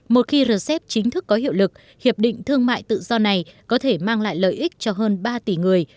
một khi rcep chính thức có hiệu lực hiệp định thương mại tự do này có thể mang lại lợi ích cho hơn ba tỷ người